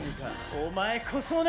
お前こそな！